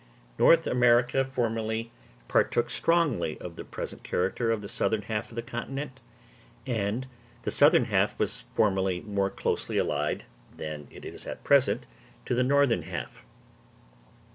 North America formerly partook strongly of the present character of the southern half of the continent; and the southern half was formerly more closely allied, than it is at present, to the northern half.